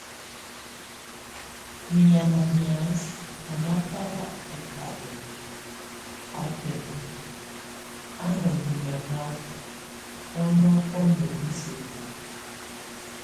Menyama nias, a nábal óhalɛn á bɛndo á mondo yamak, ɔnɔk bá miseku.